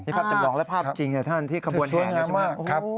ในภาพจำลองและภาพจริงนะท่านที่ขบวนแห่งกันใช่ไหมครับ